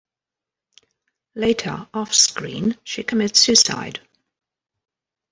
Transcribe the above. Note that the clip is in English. Later, offscreen, she commits suicide.